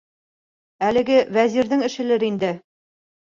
Әлеге Вәзирҙең эшелер инде!